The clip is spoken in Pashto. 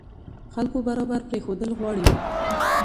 خلکو برابر پرېښودل غواړي.